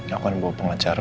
aku akan bawa pengacara